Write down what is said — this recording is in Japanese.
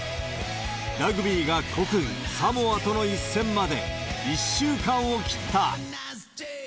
ラグビーが国技、サモアとの一戦まで、１週間を切った。